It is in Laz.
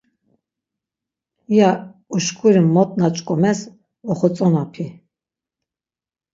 İya uşkuri mot na ç̌ǩomes oxotzonapi.